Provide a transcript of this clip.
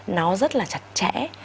nó rất là chặt chẽ